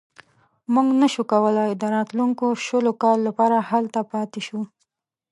موږ نه شو کولای د راتلونکو شلو کالو لپاره هلته پاتې شو.